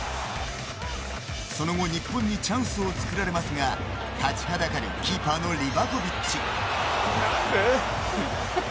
その後日本にチャンスを作られますが立ちはだかるキーパーのリヴァコヴィッチ。